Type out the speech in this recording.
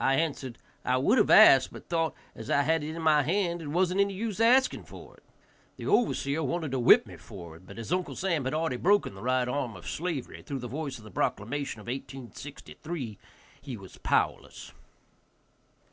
I answered, "I would have asked, but thought, as I had it in hand, it wasn't any use asking for it." The overseer wanted to whip me for it, but as Uncle Sam had already broken the right arm of slavery, through the voice of the proclamation of 1863, he was powerless.